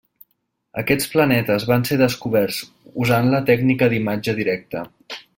Aquests planetes van ser descoberts usant la tècnica d'imatge directa.